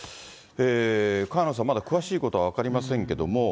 萱野さん、まだくわしいことは分かりませんけども。